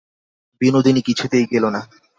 বিনোদিনী কিছুতেই গেল না।